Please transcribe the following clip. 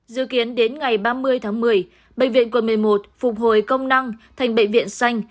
dự kiến đến ngày ba mươi tháng một mươi bệnh viện quân một mươi một phục hồi công năng thành bệnh viện xanh